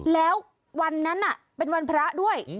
แล้ววันนั้นเป็นวันพระด้วย